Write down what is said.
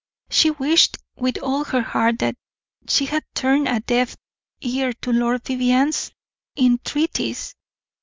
She wished with all her heart that she had turned a deaf ear to Lord Vivianne's entreaties.